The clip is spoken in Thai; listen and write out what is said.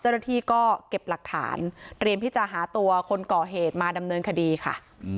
เจ้าหน้าที่ก็เก็บหลักฐานเตรียมที่จะหาตัวคนก่อเหตุมาดำเนินคดีค่ะ